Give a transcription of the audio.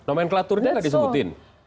nomenklaturnya tidak disebutin